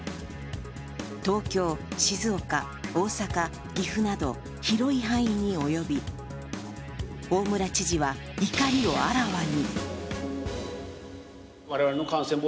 東京、静岡、大阪、岐阜など広い範囲に及び大村知事は怒りをあらわに。